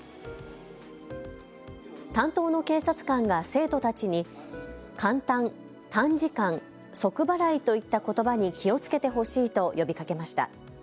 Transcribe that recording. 担当の警察官が生徒たちに簡単、短時間、即払いといったことばに気をつけてほしいと呼びかけました。